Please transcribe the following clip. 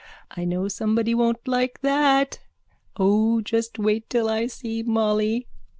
I know somebody won't like that. O just wait till I see Molly!